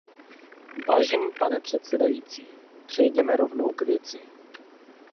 Vážený pane předsedající, přejděme rovnou k věci.